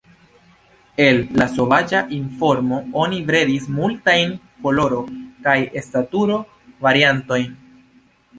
El la sovaĝa formo oni bredis multajn koloro- kaj staturo-variantojn.